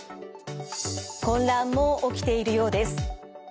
混乱も起きているようです。